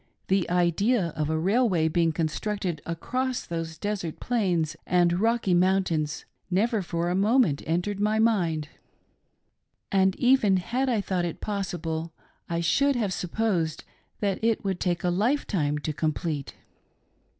The idea of a railway being constructed across those desert plains and rocky mountains never for a moment entered my mind, and even had I thought it possible, I should have supposed that it would take a life time to complete.